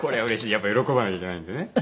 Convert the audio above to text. やっぱり喜ばなきゃいけないんでね